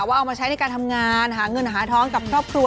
เอามาใช้ในการทำงานหาเงินหาท้องกับครอบครัว